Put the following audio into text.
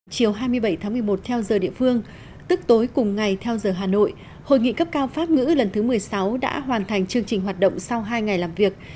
chiều hai mươi bảy tháng một mươi một theo giờ địa phương tức tối cùng ngày theo giờ hà nội hội nghị cấp cao pháp ngữ lần thứ một mươi sáu đã hoàn thành chương trình hoạt động sau hai ngày làm việc